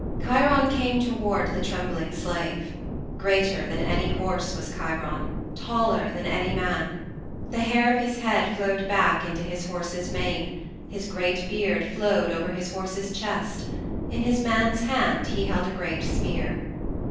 Chiron came toward the trembling slave. Greater than any horse was Chiron, taller than any man. The hair of his head flowed back into his horse's mane, his great beard flowed over his horse's chest; in his man's hand he held a great spear.